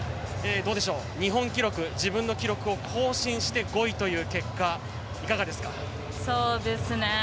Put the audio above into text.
どうでしょう、日本記録自分の記録を更新して５位という結果いかがですか？